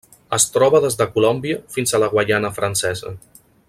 Es troba des de Colòmbia fins a la Guaiana Francesa.